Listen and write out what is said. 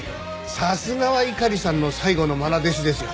さすがは猪狩さんの最後のまな弟子ですよ。